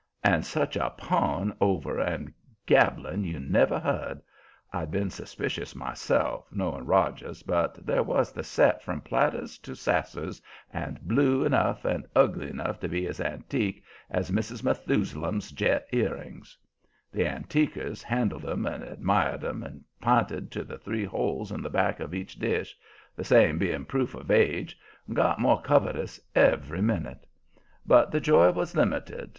And such a pawing over and gabbling you never heard. I'd been suspicious, myself, knowing Rogers, but there was the set from platters to sassers, and blue enough and ugly enough to be as antique as Mrs. Methusalem's jet earrings. The "Antiquers" handled 'em and admired 'em and p'inted to the three holes in the back of each dish the same being proof of age and got more covetous every minute. But the joy was limited.